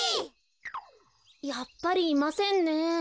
やっぱりいませんね。